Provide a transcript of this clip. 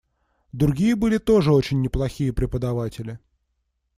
Другие были тоже очень неплохие преподаватели..